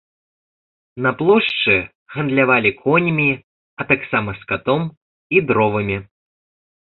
На плошчы гандлявалі коньмі, а таксама скатом і дровамі.